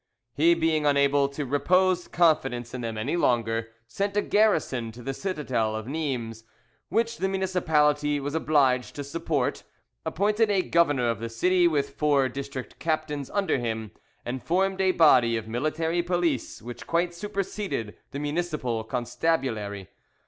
He being unable to repose confidence in them any longer, sent a garrison to the citadel of Nimes, which the municipality was obliged to support, appointed a governor of the city with four district captains under him, and formed a body of military police which quite superseded the municipal constabulary.